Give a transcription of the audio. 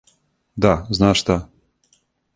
Да, знаш шта!